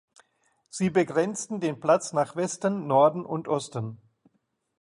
Sie begrenzten den Platz nach Westen, Norden und Osten.